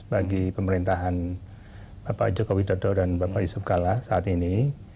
bagi pemerintahan bapak joko widodo dan bapak yusuf kalla saat ini